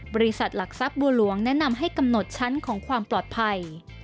บริษัทหลักทรัพย์บัวหลวงแนะนำให้กำหนดชั้นของความปลอดภัย